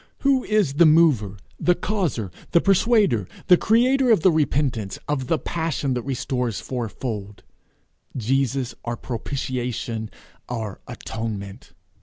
Who is the mover, the causer, the persuader, the creator of the repentance, of the passion that restores fourfold? Jesus, our propitiation, our atonement.